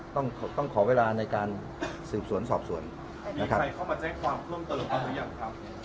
ต้องต้องขอเวลาในการสืบสวนสอบสวนมีใครเข้ามาแจ้งความเพิ่มเติมบ้างหรือยังครับ